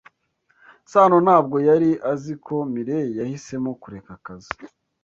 Sano ntabwo yari azi ko Mirelle yahisemo kureka akazi.